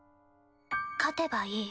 勝てばいい。